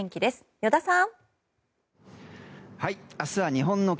依田さん。